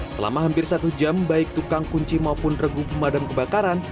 selama hampir satu jam baik tukang kunci maupun regu pemadam kebakaran